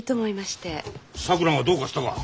さくらがどうかしたか？